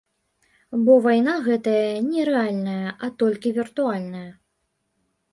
Бо вайна гэтая не рэальная, а толькі віртуальная.